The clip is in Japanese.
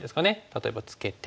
例えばツケて。